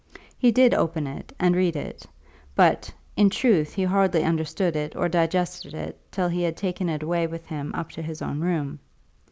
He did open it and read it, but, in truth, he hardly understood it or digested it till he had taken it away with him up to his own room.